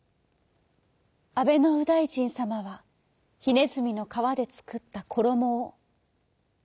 あべのうだいじんさまはひねずみのかわでつくったころもを。